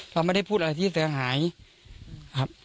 เราไม่ได้พูดอะไรที่เสียหายครับ